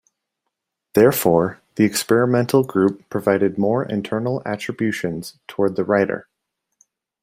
Therefore, the experimental group provided more internal attributions towards the writer.